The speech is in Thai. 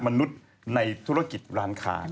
มนุษย์ในธุรกิจร้านค้า